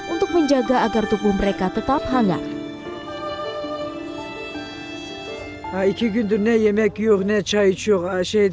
untuk menjaga agar tubuh mereka tetap hangat hai hai dua gendutnya yemek yuk necah yuk asyik